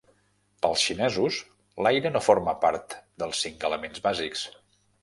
Pels xinesos l'aire no forma part dels cinc elements bàsics.